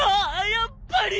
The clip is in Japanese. やっぱり！